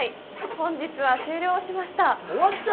「本日は終了しました」。